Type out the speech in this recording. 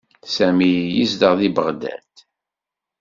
Sami yezdeɣ deg Beɣdad.